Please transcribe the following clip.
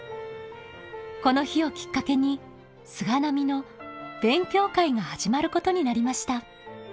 この日をきっかけに菅波の勉強会が始まることになりました。